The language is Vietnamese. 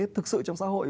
thực sự trong xã hội